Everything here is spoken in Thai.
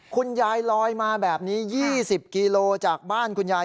คุณยายลอยมาแบบนี้๒๐กิโลจากบ้านคุณยาย